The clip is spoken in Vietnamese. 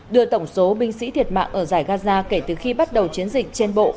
đưa tổng số binh sĩ thiệt mạng ở giải gaza kể từ khi bắt đầu chiến dịch trên bộ lên một mươi một người